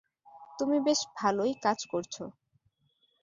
তুমি বেশ ভালোই কাজ করছ।